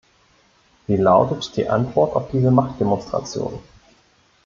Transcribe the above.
Wie lautet die Antwort auf diese Machtdemonstration?